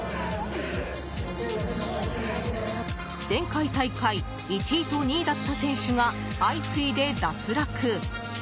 前回大会、１位と２位だった選手が相次いで脱落。